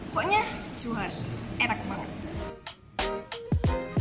koknya cuan enak banget